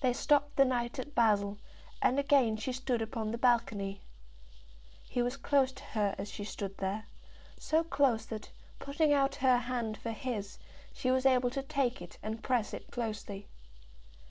They stopped a night at Basle, and again she stood upon the balcony. He was close to her as she stood there, so close that, putting out her hand for his, she was able to take it and press it closely.